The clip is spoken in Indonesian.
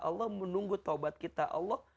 allah menunggu taubat kita